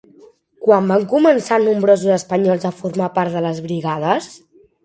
Quan van començar nombrosos espanyols a formar part de les Brigades?